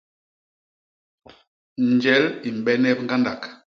Njel i mbenep ñgandak.